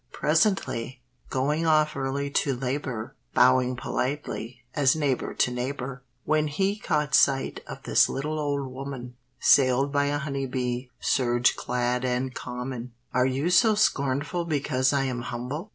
Presently, going off early to labor, Bowing politely, as neighbor to neighbor, When he caught sight of this little old woman, Sailed by a honey bee, serge clad and common. "Are you so scornful because I am humble?